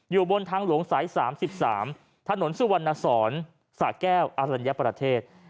อยู่บนทางหลวงสาย๓๓ถนนสุวรรณสอนสะแก้วอรัญญประเทศ